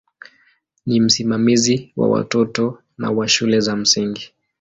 Ni msimamizi wa watoto na wa shule za msingi.